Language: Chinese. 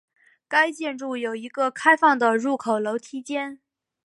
该建筑有一个开放的入口楼梯间。